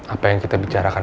apa yang kita bicarakan